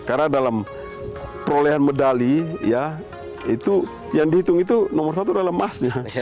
karena dalam perolehan medali yang dihitung itu nomor satu adalah emasnya